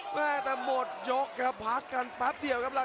พยายามอย่างงั้นเสริมด้วยมาครับ